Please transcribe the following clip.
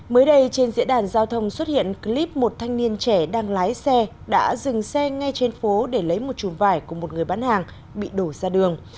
mới đây trên diễn đàn giao thông xuất hiện clip một thanh niên trẻ đang lái xe đã dừng xe ngay trên phố để lấy một chùm vải của một người bán hàng bị đổ ra đường